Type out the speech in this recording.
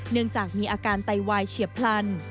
เนื่องจากมีอาการไตวายเฉียบพลัน